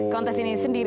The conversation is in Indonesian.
kontes ini sendiri